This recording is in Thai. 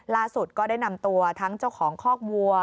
ก็ได้นำตัวทั้งเจ้าของคอกวัว